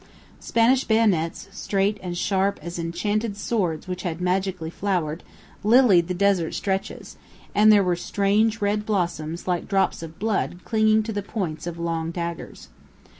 Spanish bayonets, straight and sharp as enchanted swords which had magically flowered, lilied the desert stretches, and there were strange red blossoms like drops of blood clinging to the points of long daggers.